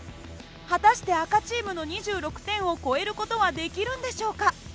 果たして赤チームの２６点を超える事はできるんでしょうか。